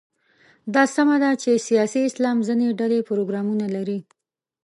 دا سمه ده چې سیاسي اسلام ځینې ډلې پروګرامونه لري.